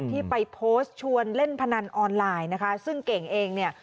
ที่ไปโพสต์ชวนเล่นพนันออนไลน์นะคะซึ่งเก่งเองเนี่ย